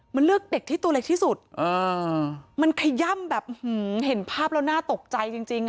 มันเลือกเด็กที่ตัวเล็กที่สุดมันขย่ำแบบเห็นภาพแล้วน่าตกใจจริงจริงอ่ะ